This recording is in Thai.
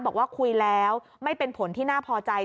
บอกว่าคุยแล้วไม่เป็นผลที่น่าพอใจ